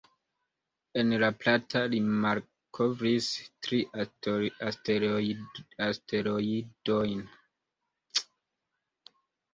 En La Plata li malkovris tri asteroidojn.